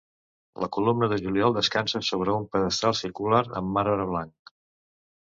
La columna de Juliol descansa sobre un pedestal circular en marbre blanc.